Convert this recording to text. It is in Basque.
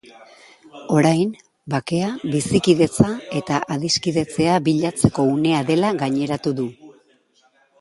Orain, bakea, bizikidetza eta adiskidetzea bilatzeko unea dela gaineratu du.